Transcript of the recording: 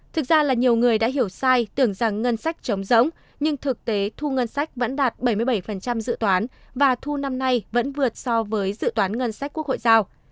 thực ra là nhiều người đã hiểu sai tưởng rằng ngân sách chống rỗng nhưng thực tế thu ngân sách vẫn đạt bảy mươi bảy dự toán và thu năm nay vẫn vượt so với dự toán ngân sách quốc hội giao